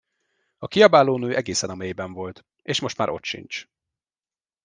A kiabáló nő egészen a mélyben volt, és most már ott sincs.